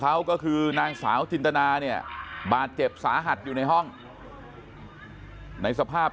เขาก็คือนางสาวจินตนาเนี่ยบาดเจ็บสาหัสอยู่ในห้องในสภาพ